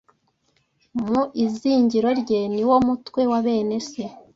Mu izingiro rye ni wo mutwe wa bene se.”